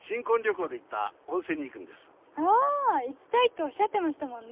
行きたいっておっしゃってましたもんね。